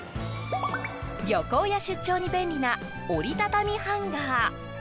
旅行や出張に便利な折り畳みハンガー。